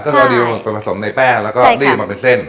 ก็รอดีปลาหมึกเป็นผสมในแป้งแล้วก็รีดมาเป็นเส้น